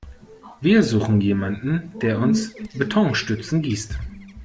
Wir suchen jemanden, der uns Betonstützen gießt.